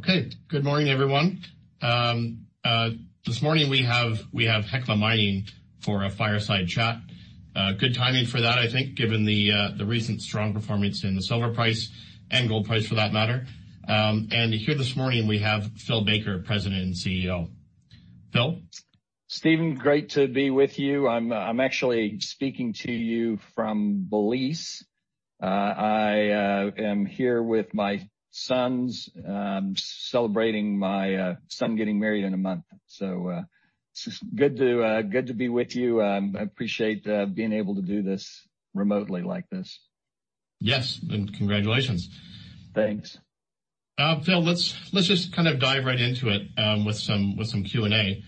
Okay. Good morning, everyone. This morning, we have Hecla Mining for a fireside chat. Good timing for that, I think, given the recent strong performance in the silver price and gold price for that matter. Here this morning, we have Phil Baker, President and CEO. Phil? Stephen, great to be with you. I'm actually speaking to you from Belize. I am here with my sons, celebrating my son getting married in a month. It's good to be with you. I appreciate being able to do this remotely like this. Yes, and congratulations. Thanks. Phil, let's just kind of dive right into it, with some Q&A.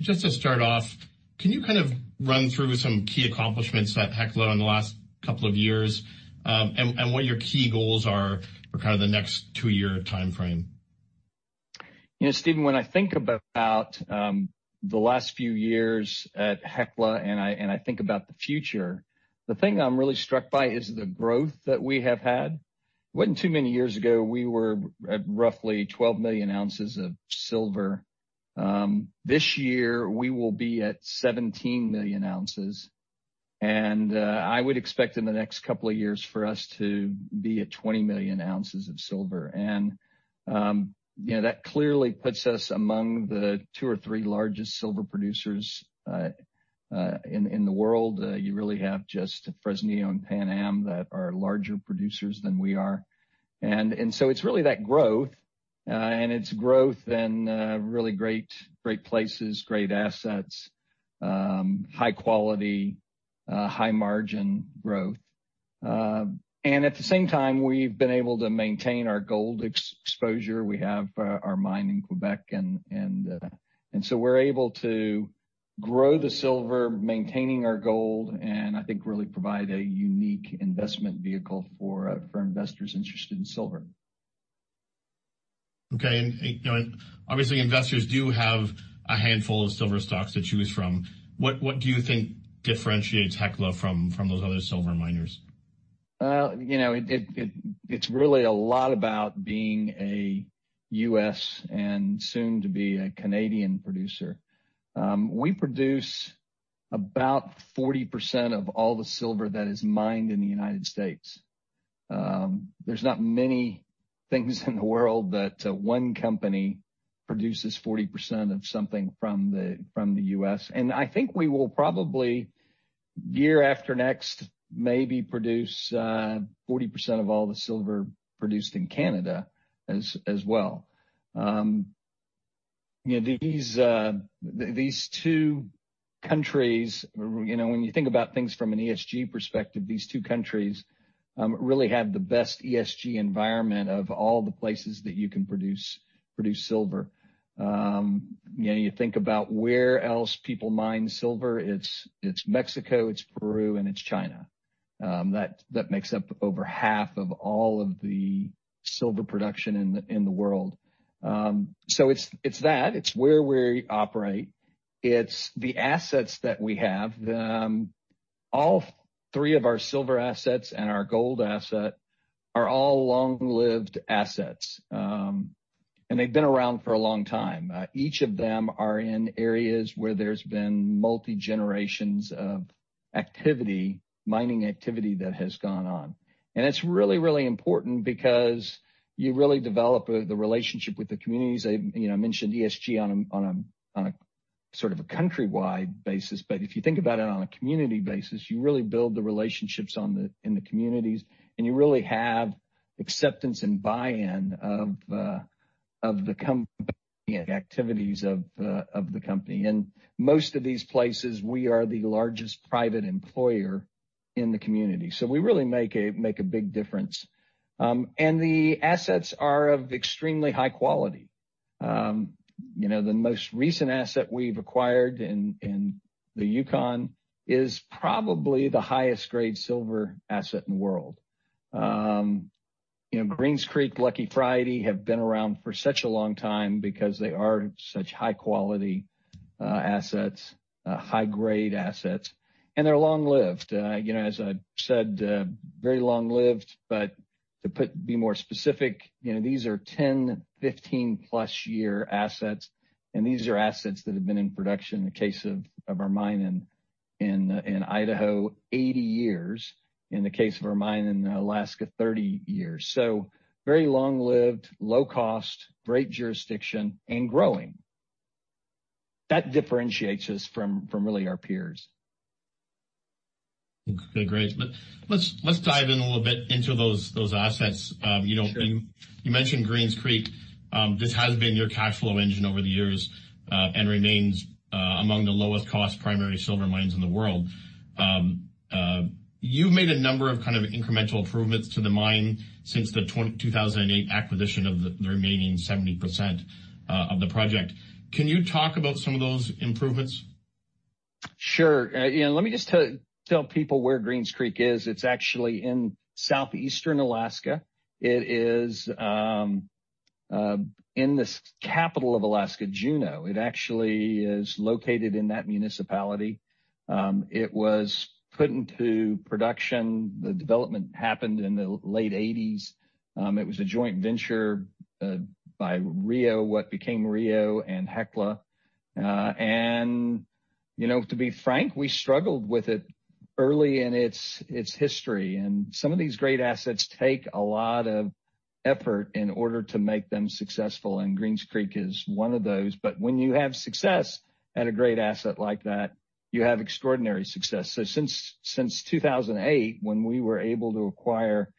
Just to start off, can you kind of run through some key accomplishments at Hecla in the last couple of years, and what your key goals are for kind of the next two-year timeframe? You know, Stephen, when I think about the last few years at Hecla, and I think about the future, the thing I'm really struck by is the growth that we have had. It wasn't too many years ago, we were at roughly 12 million ounces of silver. This year, we will be at 17 million ounces, and I would expect in the next couple of years for us to be at 20 million ounces of silver. You know, that clearly puts us among the two or three largest silver producers in the world. You really have just Fresnillo and Pan Am that are larger producers than we are. So it's really that growth, and it's growth in really great places, great assets, high quality, high margin growth. At the same time, we've been able to maintain our gold ex-exposure. We have our mine in Quebec. We're able to grow the silver, maintaining our gold, and I think really provide a unique investment vehicle for investors interested in silver. Okay. You know, and obviously investors do have a handful of silver stocks to choose from. What do you think differentiates Hecla from those other silver miners? You know, it's really a lot about being a U.S. and soon to be a Canadian producer. We produce about 40% of all the silver that is mined in the United States. There's not many things in the world that one company produces 40% of something from the U.S. I think we will probably, year after next, maybe produce 40% of all the silver produced in Canada as well. You know, these two countries, you know, when you think about things from an ESG perspective, these two countries really have the best ESG environment of all the places that you can produce silver. You know, you think about where else people mine silver, it's Mexico, it's Peru, and it's China. That makes up over half of all of the silver production in the world. It's that. It's where we operate. It's the assets that we have. All three of our silver assets and our gold asset are all long-lived assets. They've been around for a long time. Each of them are in areas where there's been multi-generations of activity, mining activity that has gone on. It's really important because you really develop the relationship with the communities. I, you know, mentioned ESG on a sort of a country-wide basis. If you think about it on a community basis, you really build the relationships on the, in the communities, and you really have acceptance and buy-in of the activities of the company. Most of these places, we are the largest private employer in the community. We really make a big difference. And the assets are of extremely high quality. You know, the most recent asset we've acquired in the Yukon is probably the highest grade silver asset in the world. You know, Greens Creek, Lucky Friday have been around for such a long time because they are such high quality assets, high grade assets, and they're long-lived. You know, as I said, very long-lived, but be more specific, you know, these are 10, 15+ year assets, and these are assets that have been in production, in the case of our mine in Idaho, 80 years. In the case of our mine in Alaska, 30 years. Very long-lived, low cost, great jurisdiction, and growing. That differentiates us from really our peers. Okay, great. Let's dive in a little bit into those assets. you know. Sure. You mentioned Greens Creek. This has been your cashflow engine over the years, and remains among the lowest cost primary silver mines in the world. You've made a number of kind of incremental improvements to the mine since the 2008 acquisition of the remaining 70% of the project. Can you talk about some of those improvements? You know, let me just tell people where Greens Creek is. It's actually in Southeastern Alaska. It is in this capital of Alaska, Juneau. It actually is located in that municipality. It was put into production. The development happened in the late eighties. It was a joint venture by Rio, what became Rio and Hecla. You know, to be frank, we struggled with it early in its history. Some of these great assets take a lot of effort in order to make them successful, and Greens Creek is one of those. When you have success at a great asset like that, you have extraordinary success. Since 2008, when we were able to acquire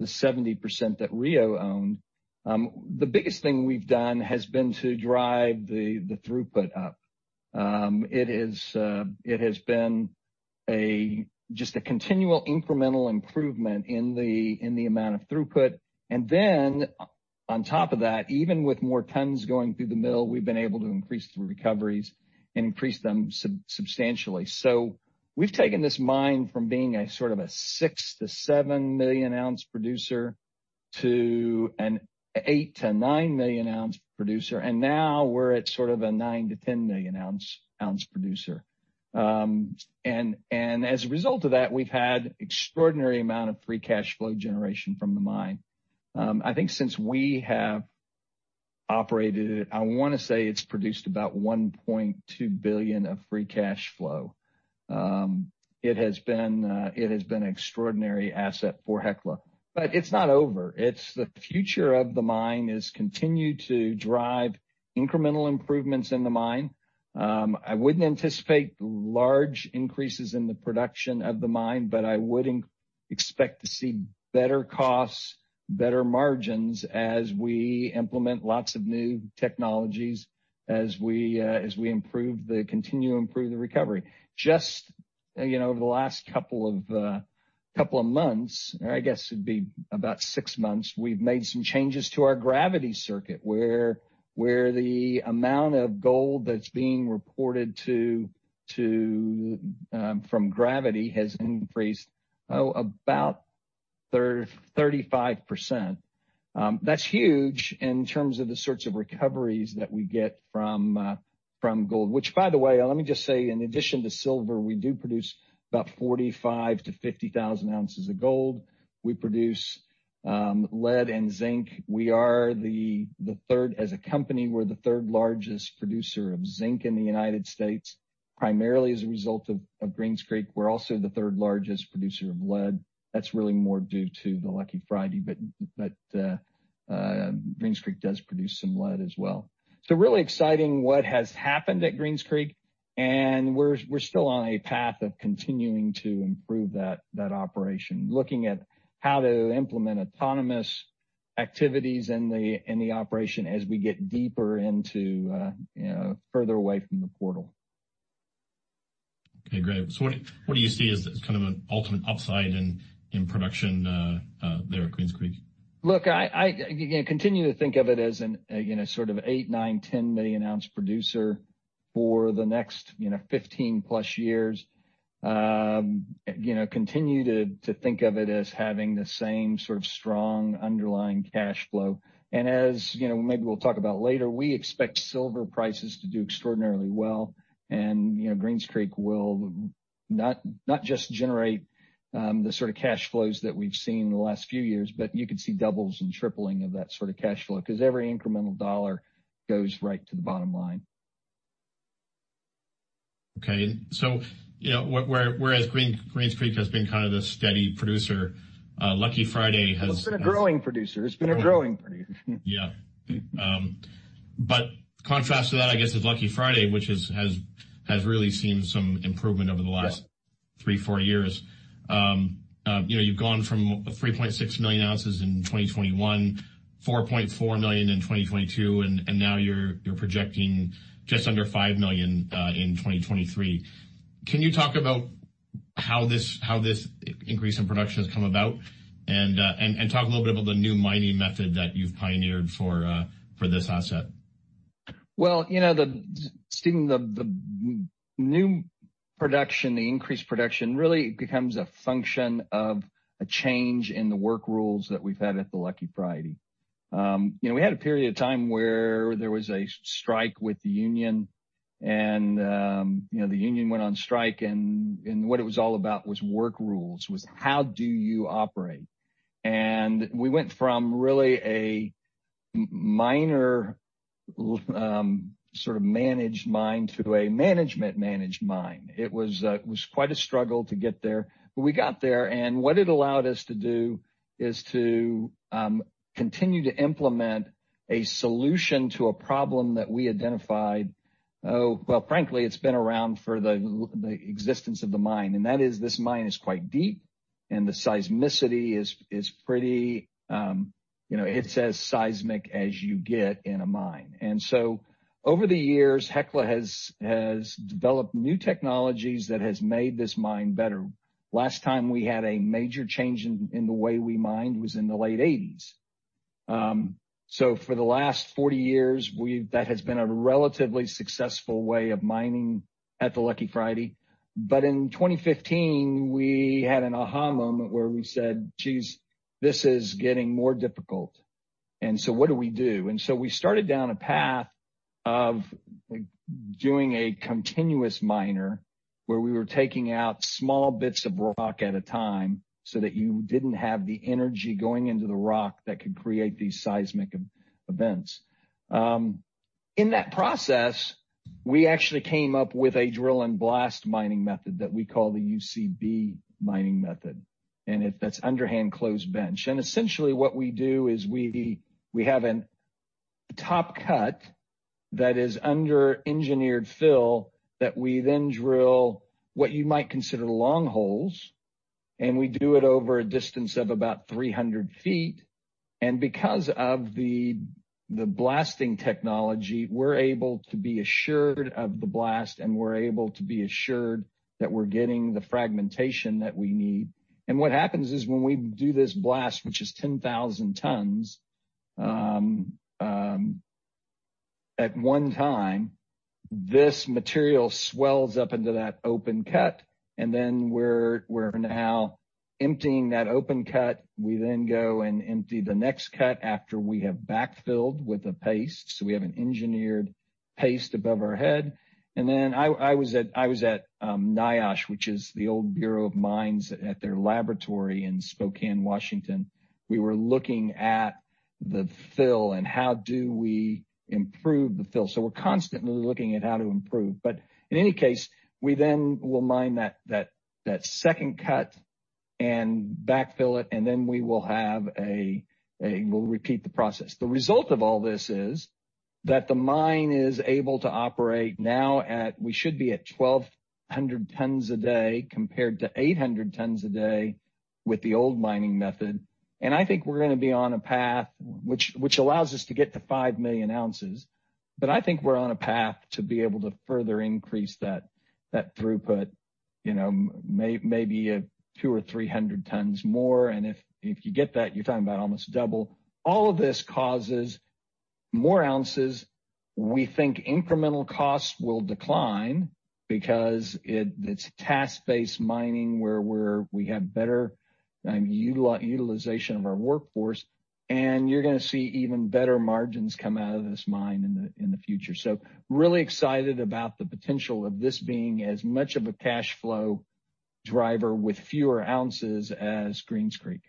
the 70% that Rio owned, the biggest thing we've done has been to drive the throughput up. It is, it has been just a continual incremental improvement in the amount of throughput. On top of that, even with more tons going through the mill, we've been able to increase the recoveries and increase them substantially. We've taken this mine from being a sort of a $6 million-$7 million ounce producer to an $8 million-$9 million ounce producer, and now we're at sort of a $9 million-$10 million ounce producer. As a result of that, we've had extraordinary amount of free cash flow generation from the mine. I think since we have operated it, I wanna say it's produced about $1.2 billion of free cash flow. It has been, it has been extraordinary asset for Hecla. It's not over. It's the future of the mine is continued to drive incremental improvements in the mine. I wouldn't anticipate large increases in the production of the mine, but I would expect to see better costs, better margins as we implement lots of new technologies, as we continue to improve the recovery. Just, you know, over the last couple of months, or I guess it'd be about six months, we've made some changes to our gravity circuit, where the amount of gold that's being reported from gravity has increased about 35%. That's huge in terms of the sorts of recoveries that we get from gold. Which by the way, let me just say, in addition to silver, we do produce about 45,000 ounces-50,000 ounces of gold. We produce lead and zinc. We are the third, as a company, we're the third largest producer of zinc in the United States, primarily as a result of Greens Creek. We're also the third largest producer of lead. That's really more due to the Lucky Friday, but Greens Creek does produce some lead as well. Really exciting what has happened at Greens Creek, and we're still on a path of continuing to improve that operation. Looking at how to implement autonomous activities in the operation as we get deeper into, you know, further away from the portal. Okay, great. What do you see as kind of an ultimate upside in production there at Greens Creek? Look, I, again, continue to think of it as an, again, a sort of 8, 9, 10 million ounce producer for the next, you know, 15+ years. You know, continue to think of it as having the same sort of strong underlying cash flow. As, you know, maybe we'll talk about later, we expect silver prices to do extraordinarily well. You know, Greens Creek will not just generate the sort of cash flows that we've seen in the last few years, but you could see doubles and tripling of that sort of cash flow 'cause every incremental dollar goes right to the bottom line. Okay. You know, whereas Greens Creek has been kind of the steady producer, Lucky Friday has. It's been a growing producer. Yeah. Contrast to that, I guess, is Lucky Friday, which is has really seen some improvement over. Yeah... three, four years. you know, you've gone from 3.6 million ounces in 2021, 4.4 million in 2022, and now you're projecting just under 5 million in 2023. Can you talk about how this increase in production has come about? Talk a little bit about the new mining method that you've pioneered for this asset. Well, you know, Stephen, the new production, the increased production really becomes a function of a change in the work rules that we've had at the Lucky Friday. You know, we had a period of time where there was a strike with the union and, you know, the union went on strike and what it was all about was work rules, was how do you operate? We went from really a minor, sort of managed mine to a management managed mine. It was quite a struggle to get there, but we got there. What it allowed us to do is to continue to implement a solution to a problem that we identified, oh, well, frankly, it's been around for the existence of the mine, and that is this mine is quite deep, and the seismicity is pretty, you know, it's as seismic as you get in a mine. Over the years, Hecla has developed new technologies that has made this mine better. Last time we had a major change in the way we mined was in the late 1980s. For the last 40 years, that has been a relatively successful way of mining at the Lucky Friday. In 2015, we had an aha moment where we said, "Geez, this is getting more difficult, and so what do we do?" We started down a path of doing a continuous miner where we were taking out small bits of rock at a time so that you didn't have the energy going into the rock that could create these seismic events. In that process, we actually came up with a drill and blast mining method that we call the UCB mining method. That's Underhand Closed Bench. Essentially, what we do is we have an top cut that is under engineered fill that we then drill what you might consider long holes, and we do it over a distance of about 300 ft. Because of the blasting technology, we're able to be assured of the blast, and we're able to be assured that we're getting the fragmentation that we need. What happens is when we do this blast, which is 10,000 tons at one time, this material swells up into that open cut, and then we're now emptying that open cut. We go and empty the next cut after we have backfilled with a paste. We have an engineered paste above our head. I was at NIOSH, which is the old Bureau of Mines at their laboratory in Spokane, Washington. We were looking at the fill and how do we improve the fill. We're constantly looking at how to improve. In any case, we then will mine that second cut and backfill it, and then we will have a, we'll repeat the process. The result of all this is that the mine is able to operate now at, we should be at 1,200 tons a day compared to 800 tons a day with the old mining method. I think we're gonna be on a path which allows us to get to 5 million ounces. I think we're on a path to be able to further increase that throughput, you know, maybe 200 or 300 tons more. If you get that, you're talking about almost double. All of this causes more ounces. We think incremental costs will decline because it's task-based mining where we have better utilization of our workforce, you're gonna see even better margins come out of this mine in the future. really excited about the potential of this being as much of a cash flow driver with fewer ounces as Greens Creek.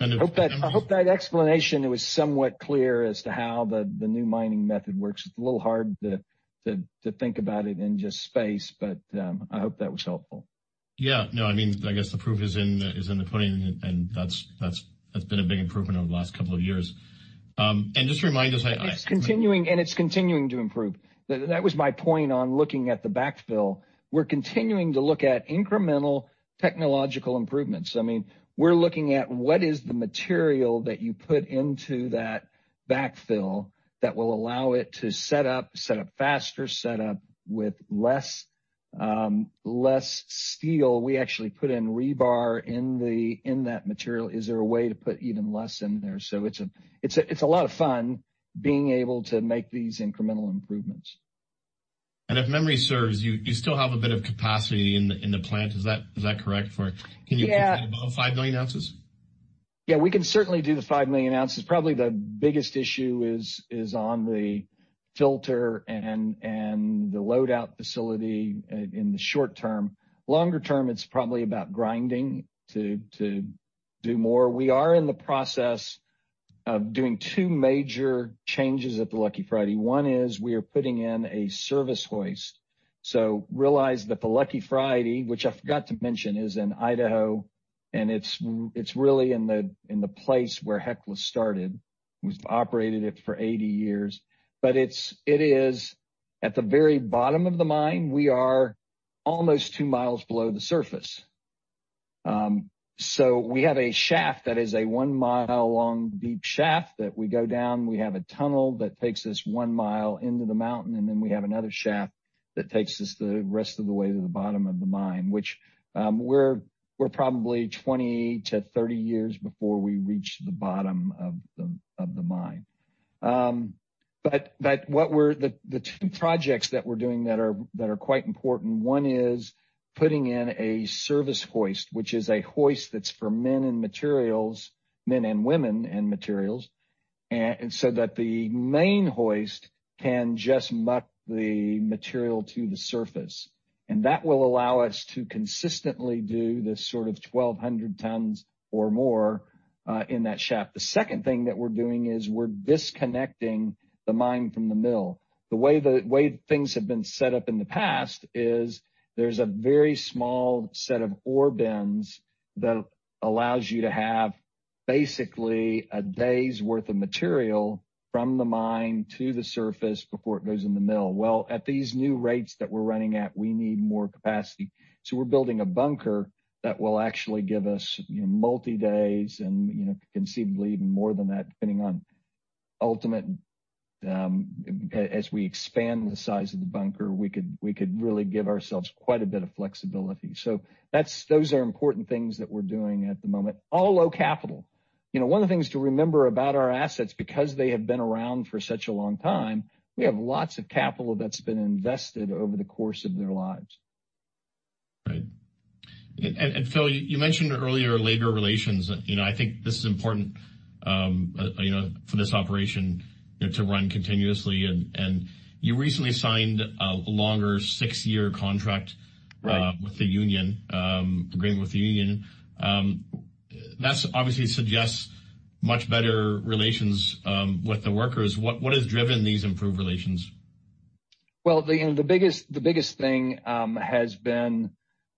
And if- I hope that explanation it was somewhat clear as to how the new mining method works. It's a little hard to think about it in just space, but I hope that was helpful. Yeah. No, I mean, I guess the proof is in the, is in the pudding, and that's been a big improvement over the last couple of years. just to remind us, It's continuing, and it's continuing to improve. That was my point on looking at the backfill. We're continuing to look at incremental technological improvements. I mean, we're looking at what is the material that you put into that backfill that will allow it to set up, set up faster, set up with less less steel. We actually put in rebar in the, in that material. Is there a way to put even less in there? It's a lot of fun being able to make these incremental improvements. If memory serves, you still have a bit of capacity in the plant. Is that correct? Yeah. Can you get above 5 million ounces? We can certainly do the 5 million ounces. Probably the biggest issue is on the filter and the load-out facility in the short term. Longer term, it's probably about grinding to do more. We are in the process of doing two major changes at the Lucky Friday. One is we are putting in a service hoist. Realize that the Lucky Friday, which I forgot to mention, is in Idaho, and it's really in the place where Hecla started. We've operated it for 80 years. It is at the very bottom of the mine. We are almost 2 mi below the surface. We have a shaft that is a 1 mi long deep shaft that we go down. We have a tunnel that takes us 1 mi into the mountain. Then we have another shaft that takes us the rest of the way to the bottom of the mine, which we're probably 20 years-30 years before we reach the bottom of the mine. The two projects that we're doing that are quite important, one is putting in a service hoist, which is a hoist that's for men and materials, men and women and materials. So that the main hoist can just muck the material to the surface. That will allow us to consistently do this sort of 1,200 tons or more in that shaft. The second thing that we're doing is we're disconnecting the mine from the mill. The way things have been set up in the past is there's a very small set of ore bins that allows you to have basically a day's worth of material from the mine to the surface before it goes in the mill. Well, at these new rates that we're running at, we need more capacity. We're building a bunker that will actually give us, you know, multi-days and, you know, conceivably even more than that, depending on ultimate, as we expand the size of the bunker, we could really give ourselves quite a bit of flexibility. That's those are important things that we're doing at the moment. All low capital. You know, one of the things to remember about our assets, because they have been around for such a long time, we have lots of capital that's been invested over the course of their lives. Right. Phil, you mentioned earlier labor relations. You know, I think this is important, you know, for this operation, you know, to run continuously. You recently signed a longer six-year contract... Right. With the union, agreement with the union. That obviously suggests much better relations, with the workers. What has driven these improved relations? Well, you know, the biggest thing has been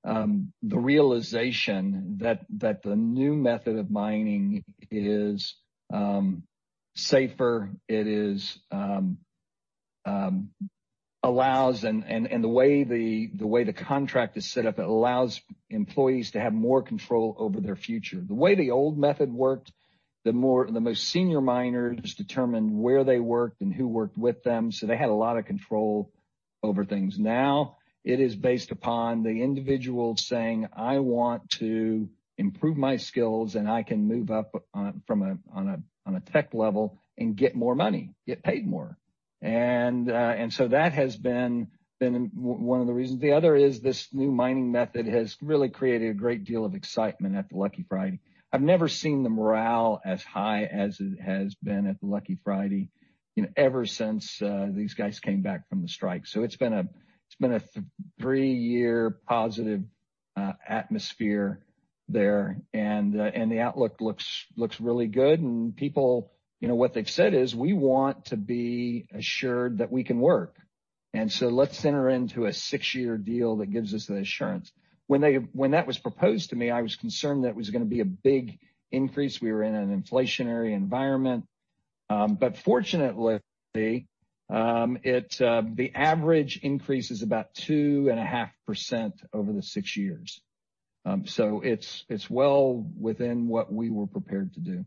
the realization that the new method of mining is safer. It allows and the way the contract is set up, it allows employees to have more control over their future. The way the old method worked, the most senior miners determined where they worked and who worked with them, so they had a lot of control over things. Now, it is based upon the individual saying, "I want to improve my skills, and I can move up on a tech level and get more money, get paid more." That has been one of the reasons. The other is this new mining method has really created a great deal of excitement at the Lucky Friday. I've never seen the morale as high as it has been at the Lucky Friday, you know, ever since these guys came back from the strike. It's been a three-year positive atmosphere there. The outlook looks really good. People, you know, what they've said is, "We want to be assured that we can work. So let's enter into a six-year deal that gives us the assurance." When that was proposed to me, I was concerned that it was gonna be a big increase. We were in an inflationary environment. Fortunately, the average increase is about 2.5% over the six years. It's well within what we were prepared to do.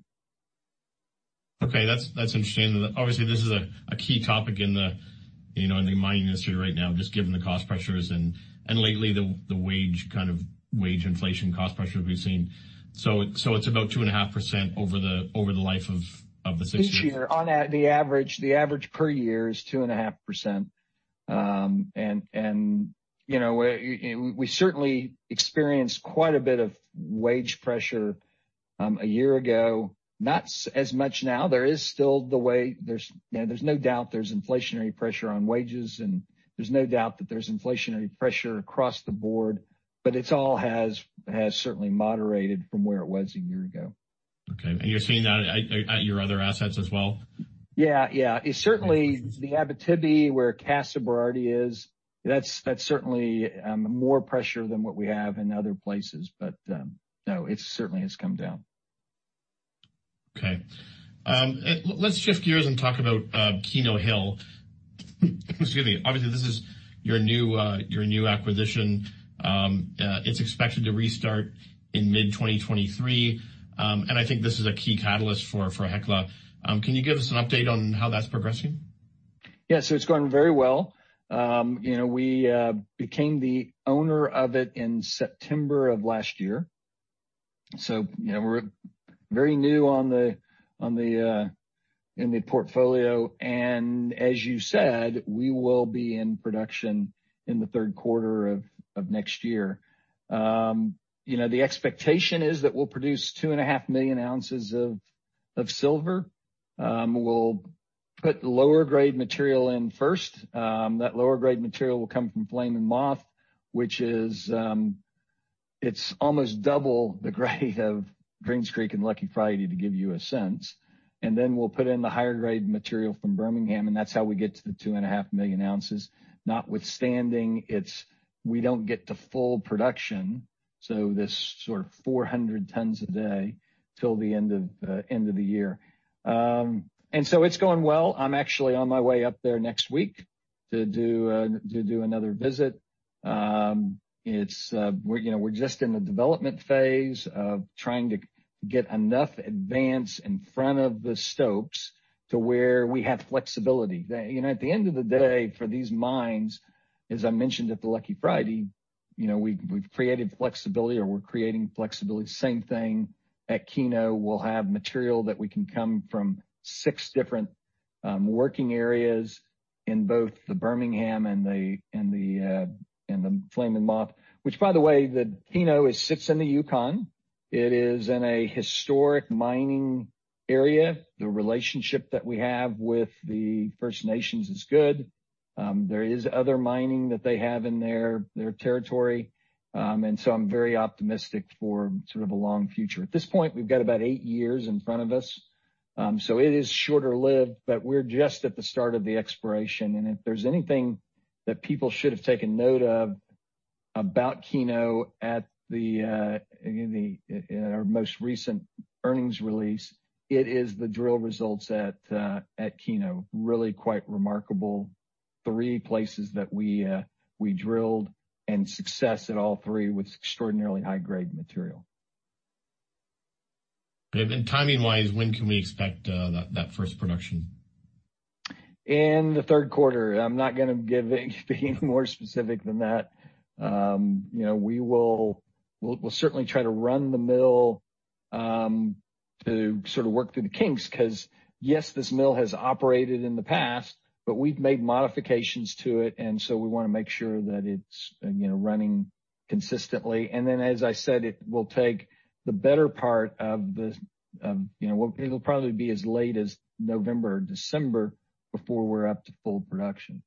Okay. That's interesting. Obviously, this is a key topic in the, you know, in the mining industry right now, just given the cost pressures and lately the wage inflation cost pressure we've been seeing. It's about 2.5% over the life of the six years. Each year. On the average per year is 2.5%. You know, we certainly experienced quite a bit of wage pressure a year ago. Not as much now. There's, you know, there's no doubt there's inflationary pressure on wages, and there's no doubt that there's inflationary pressure across the board, but it's all has certainly moderated from where it was a year ago. Okay. You're seeing that at your other assets as well? Yeah. Yeah. It's certainly the Abitibi where Casa Berardi is. That's certainly more pressure than what we have in other places. No, it certainly has come down. Okay. Let's shift gears and talk about Keno Hill. Excuse me. Obviously, this is your new acquisition. It's expected to restart in mid 2023. I think this is a key catalyst for Hecla. Can you give us an update on how that's progressing? Yeah. It's going very well. you know, we became the owner of it in September of last year. you know, we're very new on the, on the, in the portfolio. As you said, we will be in production in the third quarter of next year. you know, the expectation is that we'll produce 2.5 million ounces of silver. We'll put lower grade material in first. That lower grade material will come from Flame and Moth, which is, it's almost double the grade of Greens Creek and Lucky Friday, to give you a sense. Then we'll put in the higher grade material from Bermingham, and that's how we get to the 2.5 million ounces. Notwithstanding, it's we don't get to full production, so this sort of 400 tons a day till the end of the year. It's going well. I'm actually on my way up there next week to do another visit. It's, you know, we're just in the development phase of trying to get enough advance in front of the stopes to where we have flexibility. You know, at the end of the day, for these mines, as I mentioned at the Lucky Friday, you know, we've created flexibility, or we're creating flexibility. Same thing at Keno. We'll have material that we can come from six different working areas in both the Bermingham and the Flame and Moth. Which, by the way, the Keno, it sits in the Yukon. It is in a historic mining area. The relationship that we have with the First Nations is good. There is other mining that they have in their territory. I'm very optimistic for sort of a long future. At this point, we've got about eight years in front of us, so it is shorter-lived, but we're just at the start of the exploration. If there's anything that people should have taken note of about Keno at the in the our most recent earnings release, it is the drill results at Keno. Really quite remarkable. Three places that we drilled and success at all three with extraordinarily high-grade material. Timing-wise, when can we expect, that first production? In the third quarter. I'm not gonna give it any more specific than that. You know, we will, we'll certainly try to run the mill to sort of work through the kinks, 'cause yes, this mill has operated in the past. We've made modifications to it. We wanna make sure that it's, you know, running consistently. As I said, it will take the better part of the, you know... It will probably be as late as November or December before we're up to full production.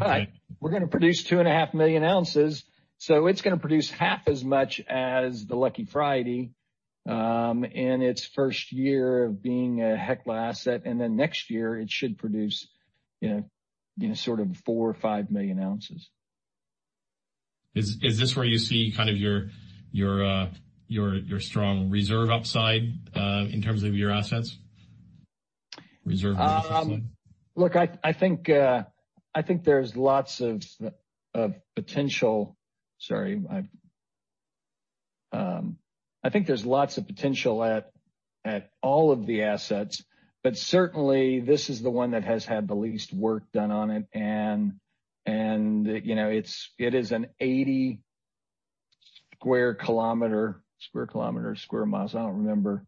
Okay. We're gonna produce 2.5 million ounces, so it's gonna produce half as much as the Lucky Friday in its first year of being a Hecla asset. Next year it should produce, you know, sort of 4 or 5 million ounces. Is this where you see kind of your strong reserve upside in terms of your assets? Reserve. Look, I think there's lots of potential. Sorry, I've. I think there's lots of potential at all of the assets, but certainly this is the one that has had the least work done on it. You know, it is an 80 sq km or sq mi, I don't remember,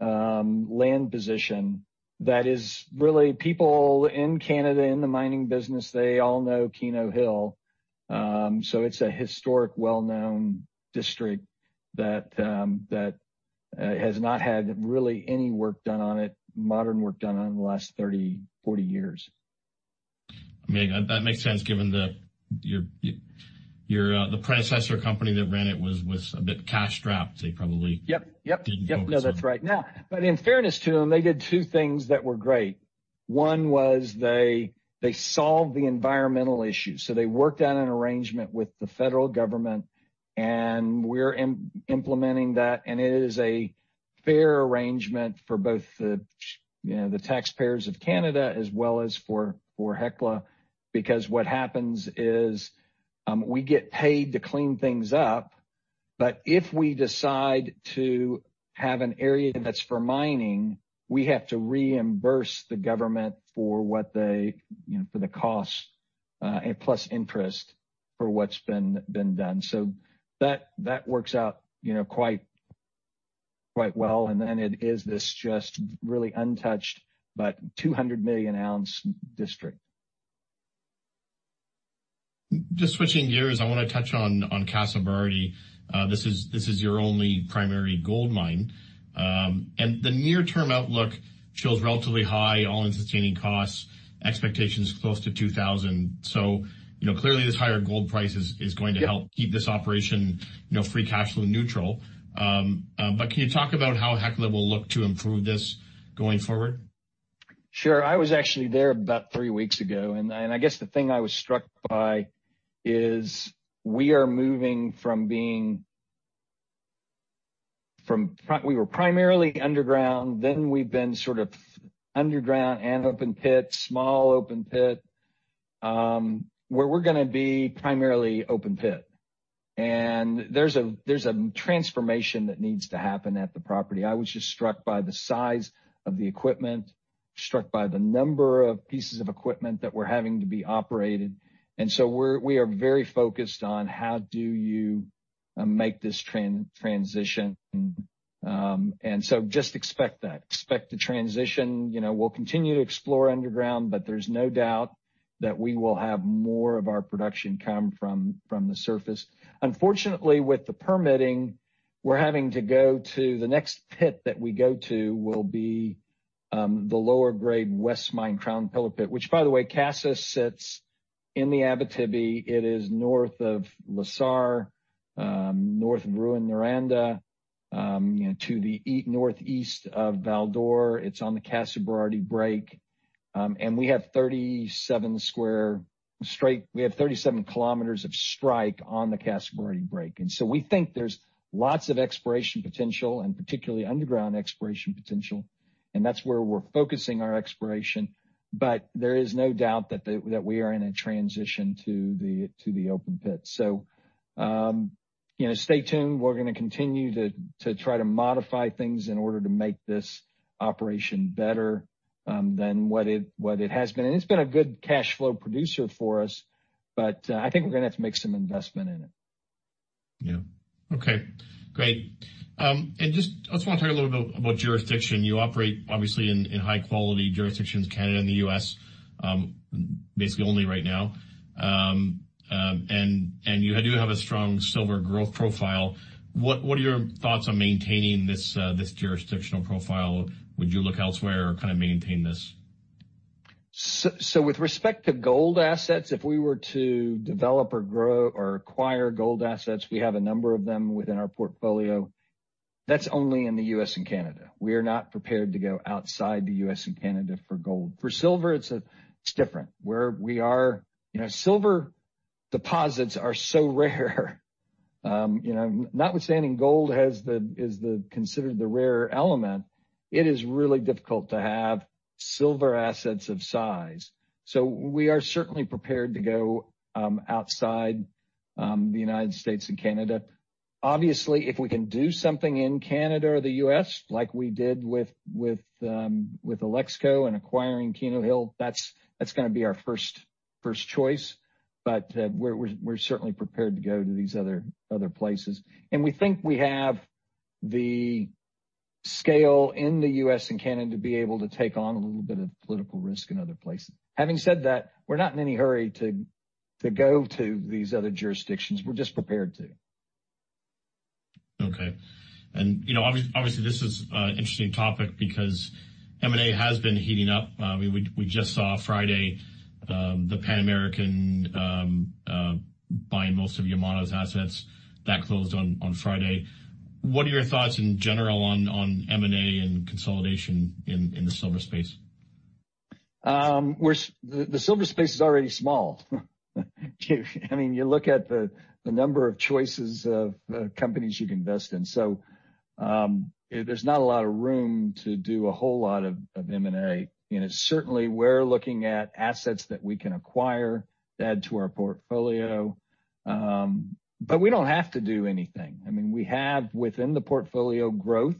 land position that is really people in Canada in the mining business, they all know Keno Hill. It's a historic, well-known district that has not had really any work done on it, modern work done on it in the last 30, 40 years. I mean, that makes sense given the, your, the predecessor company that ran it was a bit cash strapped, they probably. Yep, yep. Didn't go with some. That's right. In fairness to them, they did two things that were great. One was they solved the environmental issues. They worked out an arrangement with the federal government, and we're implementing that, and it is a fair arrangement for both the, you know, the taxpayers of Canada as well as for Hecla. What happens is, we get paid to clean things up. If we decide to have an area that's for mining, we have to reimburse the government for what they, you know, for the cost, plus interest for what's been done. That works out, you know, quite well. Then it is this just really untouched, but 200 million ounce district. Just switching gears, I wanna touch on Casa Berardi. This is your only primary gold mine. The near-term outlook shows relatively high all-in sustaining costs, expectations close to $2,000. You know, clearly this higher gold price is going to help keep this operation, you know, free cash flow neutral. Can you talk about how Hecla will look to improve this going forward? Sure. I was actually there about three weeks ago, I guess the thing I was struck by is we were primarily underground, then we've been sort of underground and open pit, small open pit, where we're gonna be primarily open pit. There's a transformation that needs to happen at the property. I was just struck by the size of the equipment, struck by the number of pieces of equipment that were having to be operated. We are very focused on how do you make this transition. Just expect that. Expect the transition. You know, we'll continue to explore underground, but there's no doubt that we will have more of our production come from the surface. Unfortunately, with the permitting, we're having to go to the next pit that we go to will be the lower grade West Mine Crown Pillar pit, which, by the way, Casa sits in the Abitibi. It is north of Elsa, north of Rouyn-Noranda, you know, to the east, northeast of Val d'Or. It's on the Casa Berardi Break. We have 37 square strike. We have 37 km of strike on the Casa Berardi Break. We think there's lots of exploration potential and particularly underground exploration potential, and that's where we're focusing our exploration. There is no doubt that we are in a transition to the open pit. You know, stay tuned. We're gonna continue to try to modify things in order to make this operation better than what it has been. It's been a good cash flow producer for us, but I think we're gonna have to make some investment in it. Yeah. Okay. Great. Just, I just wanna talk a little bit about jurisdiction. You operate obviously in high quality jurisdictions, Canada and the U.S., basically only right now. You do have a strong silver growth profile. What are your thoughts on maintaining this jurisdictional profile? Would you look elsewhere or kinda maintain this? With respect to gold assets, if we were to develop or grow or acquire gold assets, we have a number of them within our portfolio. That's only in the U.S. and Canada. We are not prepared to go outside the U.S. and Canada for gold. For silver, it's a, it's different. Where we are, you know, silver deposits are so rare. You know, notwithstanding gold is the, considered the rare element, it is really difficult to have silver assets of size. We are certainly prepared to go outside the United States and Canada. Obviously, if we can do something in Canada or the U.S. like we did with Alexco and acquiring Keno Hill, that's gonna be our first choice. We're certainly prepared to go to these other places. We think we have the scale in the U.S. and Canada to be able to take on a little bit of political risk in other places. Having said that, we're not in any hurry to go to these other jurisdictions. We're just prepared to. Okay. You know, obviously, this is interesting topic because M&A has been heating up. We just saw Friday, the Pan American buying most of Yamana's assets. That closed on Friday. What are your thoughts in general on M&A and consolidation in the silver space? The silver space is already small. I mean, you look at the number of choices of companies you'd invest in. There's not a lot of room to do a whole lot of M&A. Certainly, we're looking at assets that we can acquire, add to our portfolio. But we don't have to do anything. I mean, we have, within the portfolio, growth.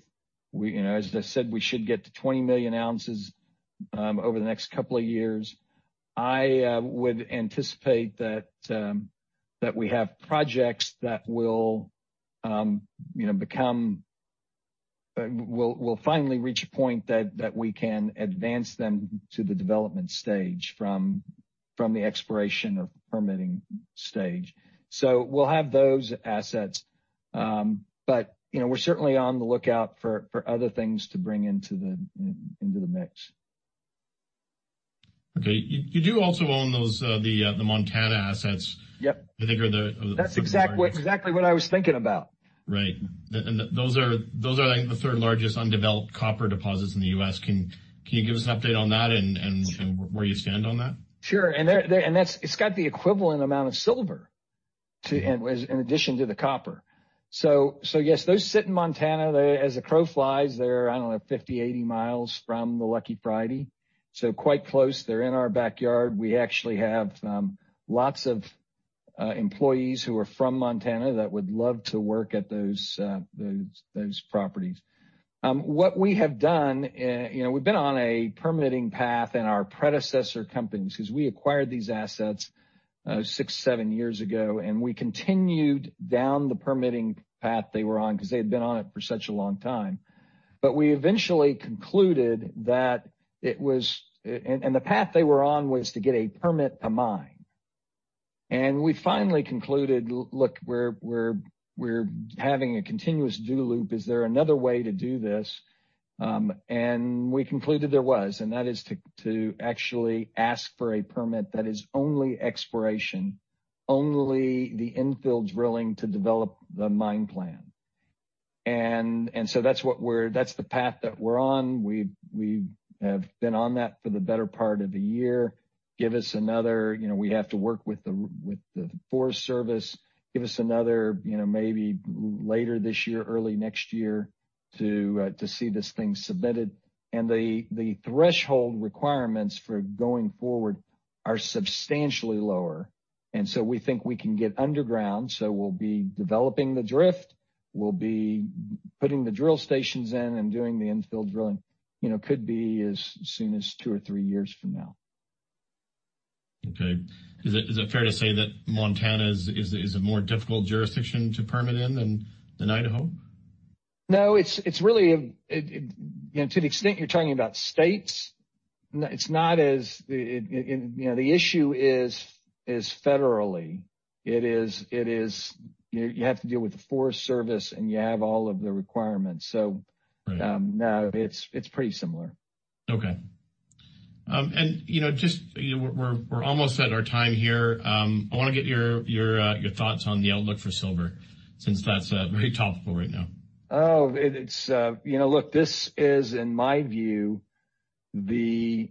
We, you know, as I said, we should get to 20 million ounces over the next couple of years. I would anticipate that we have projects that will, you know, finally reach a point that we can advance them to the development stage from the exploration or permitting stage. We'll have those assets. You know, we're certainly on the lookout for other things to bring into the, into the mix. Okay. You do also own those, the Montana assets. Yep. I think are the. That's exactly what I was thinking about. Right. Those are, like, the third largest undeveloped copper deposits in the U.S. Can you give us an update on that and where you stand on that? Sure. It's got the equivalent amount of silver to in addition to the copper. Yes, those sit in Montana. They, as the crow flies, they're, I don't know, 50 mi, 80 mi from the Lucky Friday. Quite close. They're in our backyard. We actually have lots of employees who are from Montana that would love to work at those properties. What we have done, you know, we've been on a permitting path in our predecessor companies, because we acquired these assets six, seven years ago, and we continued down the permitting path they were on because they had been on it for such a long time. We eventually concluded that the path they were on was to get a permit to mine. We finally concluded, look, we're having a continuous do-loop. Is there another way to do this? We concluded there was, and that is to actually ask for a permit that is only exploration, only the infill drilling to develop the mine plan. That's the path that we're on. We have been on that for the better part of a year. Give us another, you know, we have to work with the Forest Service. Give us another, you know, maybe later this year, early next year to see this thing submitted. The threshold requirements for going forward are substantially lower. We think we can get underground. We'll be developing the drift. We'll be putting the drill stations in and doing the infill drilling. You know, could be as soon as two or three years from now. Okay. Is it fair to say that Montana is a more difficult jurisdiction to permit in than Idaho? No, it's really, you know, to the extent you're talking about states, it's not as, you know, the issue is federally. It is, you have to deal with the Forest Service, and you have all of the requirements. Right. No, it's pretty similar. Okay. You know, just, you know, we're almost at our time here. I wanna get your thoughts on the outlook for silver since that's very topical right now. Oh, it's, you know, look, this is, in my view, the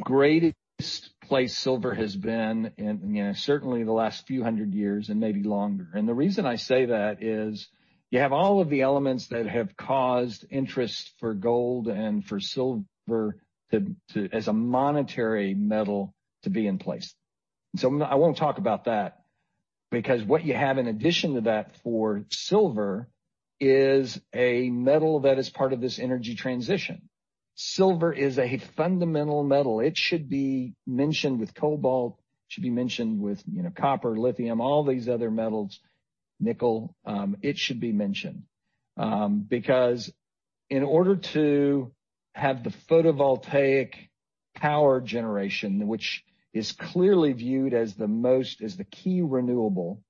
greatest place silver has been in, you know, certainly the last few hundred years and maybe longer. The reason I say that is you have all of the elements that have caused interest for gold and for silver to, as a monetary metal, to be in place. I won't talk about that because what you have in addition to that for silver is a metal that is part of this energy transition. Silver is a fundamental metal. It should be mentioned with cobalt. It should be mentioned with, you know, copper, lithium, all these other metals, nickel. It should be mentioned. Because in order to have the photovoltaic power generation, which is clearly viewed as the most, as the key renewable,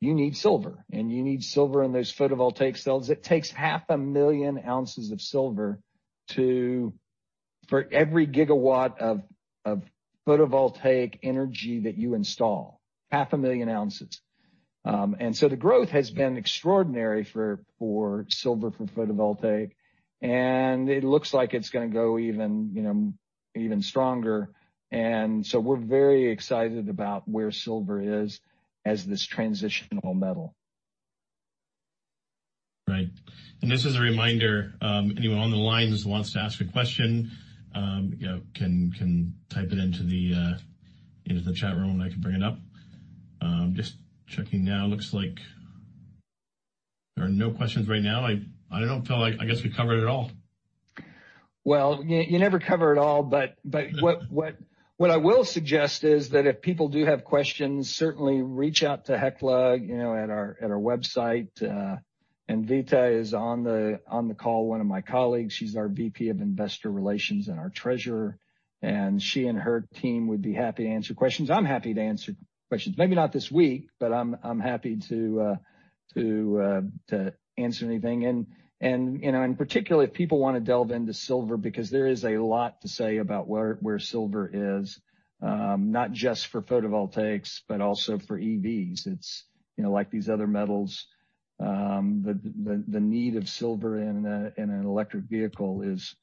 you need silver, and you need silver in those photovoltaic cells. It takes half a million ounces of silver to, for every gigawatt of photovoltaic energy that you install. Half a million ounces. The growth has been extraordinary for silver, for photovoltaic, and it looks like it's gonna go even, you know, even stronger. We're very excited about where silver is as this transitional metal. Right. Just as a reminder, anyone on the lines who wants to ask a question, you know, can type it into the chat room, and I can bring it up. Just checking now. Looks like there are no questions right now. I guess we covered it all. Well, you never cover it all, but what I will suggest is that if people do have questions, certainly reach out to Hecla, you know, at our website. Anvita is on the call, one of my colleagues. She's our VP of Investor Relations and our Treasurer. She and her team would be happy to answer questions. I'm happy to answer questions. Maybe not this week, but I'm happy to answer anything. You know, particularly if people wanna delve into silver, because there is a lot to say about where silver is, not just for photovoltaics, but also for EVs. It's, you know, like these other metals, the need of silver in an electric vehicle is,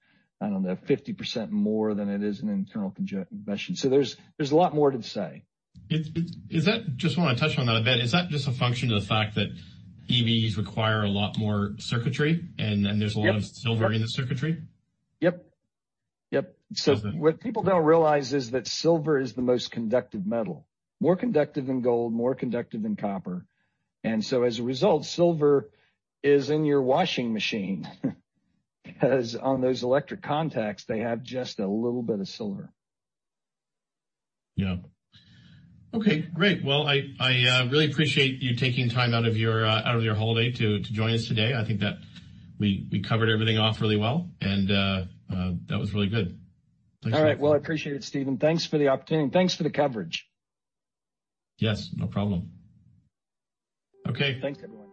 I don't know, 50% more than it is in internal combustion. There's a lot more to say. Just wanna touch on that a bit. Is that just a function of the fact that EVs require a lot more circuitry and there's a lot of silver in the circuitry? Yep. Yep. Okay. What people don't realize is that silver is the most conductive metal. More conductive than gold, more conductive than copper. As a result, silver is in your washing machine. 'Cause on those electric contacts, they have just a little bit of silver. Yeah. Okay, great. Well, I really appreciate you taking time out of your holiday to join us today. I think that we covered everything off really well, and that was really good. Thanks so much. All right. Well, I appreciate it, Steven. Thanks for the opportunity. Thanks for the coverage. Yes, no problem. Okay. Thanks, everyone.